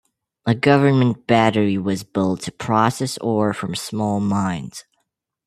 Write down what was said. A government battery was built to process ore from small mines.